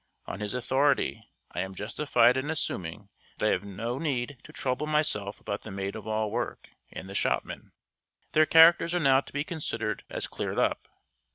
On his authority, I am justified in assuming that I have no need to trouble myself about the maid of all work and the shopman. Their characters are now to be considered as cleared up.